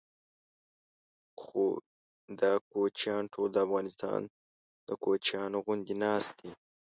خو دا کوچیان ټول د افغانستان د کوچیانو غوندې ناست دي.